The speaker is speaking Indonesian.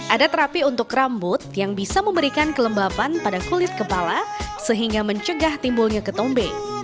ada terapi untuk rambut yang bisa memberikan kelembapan pada kulit kepala sehingga mencegah timbulnya ketombe